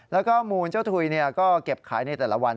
แล้วก็มูลเจ้าถุยก็เก็บขายในแต่ละวัน